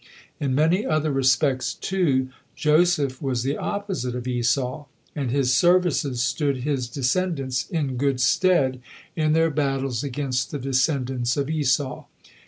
In many other respects, too, Joseph was the opposite of Esau, and his services stood his descendants in good stead in their battles against the descendants of Esau.